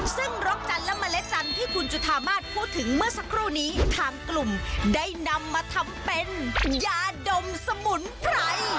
ซึ่งรกจันทร์และเมล็ดจันทร์ที่คุณจุธามาศพูดถึงเมื่อสักครู่นี้ทางกลุ่มได้นำมาทำเป็นยาดมสมุนไพร